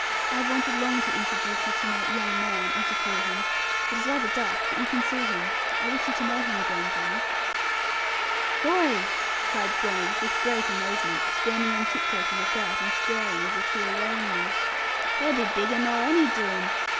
I have wanted long to introduce you to my "young man," as you call him. It is rather dark, but you can see him. I wish you to know him again, Gwenny.' 'Whoy!' cried Gwenny, with great amazement, standing on tiptoe to look out, and staring as if she were weighing me: 'her be bigger nor any Doone!